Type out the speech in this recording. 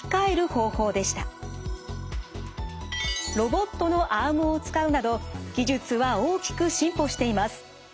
ロボットのアームを使うなど技術は大きく進歩しています。